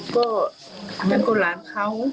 ก็เป็นคนร้านเขา